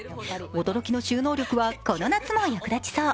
驚きの収納力はこの夏も役立ちそう。